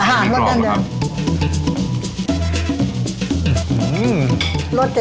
อ่ารสดั้งเดิม